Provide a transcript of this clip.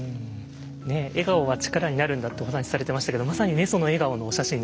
ねえ笑顔は力になるんだってお話しされてましたけどまさにねその笑顔のお写真ですからね。